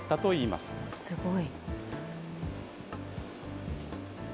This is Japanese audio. すごい。